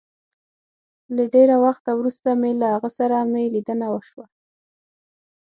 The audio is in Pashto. له ډېره وخته وروسته مي له هغه سره مي ليدنه وشوه